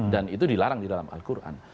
dan itu dilarang di dalam al quran